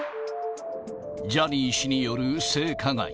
ジャニー氏による性加害。